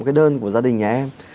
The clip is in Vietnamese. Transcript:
cái đơn của gia đình nhà em